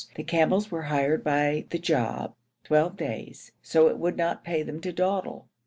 The camels were hired by the job, twelve days, so it would not pay them to dawdle.